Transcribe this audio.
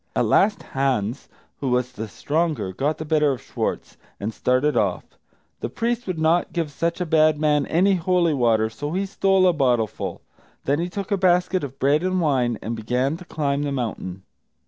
At last, Hans, who was the stronger, got the better of Schwartz, and started off. The priest would not give such a bad man any holy water, so he stole a bottleful. Then he took a basket of bread and wine, and began to climb the mountain.